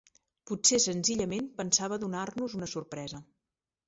Potser senzillament pensava donar-nos una sorpresa.